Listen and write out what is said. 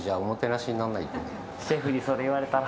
シェフにそれ言われたら。